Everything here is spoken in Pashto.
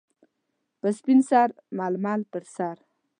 - په سپین سر ململ پر سر.